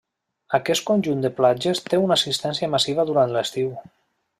Aquest conjunt de platges té una assistència massiva durant l'estiu.